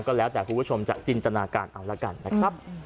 แล้วแต่คุณผู้ชมจะจินตนาการเอาละกันนะครับ